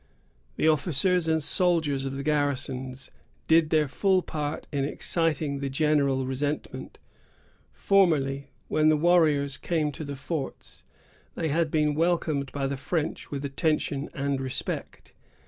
The officers and soldiers of the garrisons did their full part in exciting the general resentment. Formerly, when the warriors came to the forts, they had been welcomed by the French with attention and respect.